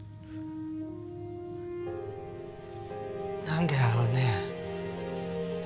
なんでだろうね。